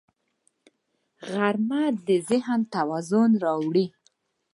غرمه د ذهن توازن راوړي